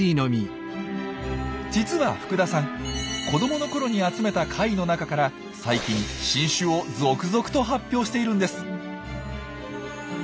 実は福田さん子どものころに集めた貝の中から最近新種を続々と発表しているんです。